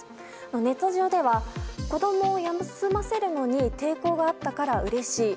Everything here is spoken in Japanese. ネット上では子供を休ませるのに抵抗があったからうれしい。